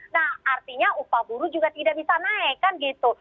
nah artinya upah buruh juga tidak bisa naik kan gitu